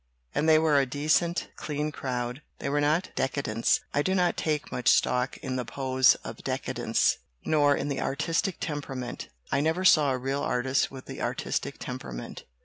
And they were a decent, clean crowd they were not 'decadents.' I do not take much stock in the pose of 'decadence/ nor in the artistic temperament. I never saw a real artist with the artistic temperament.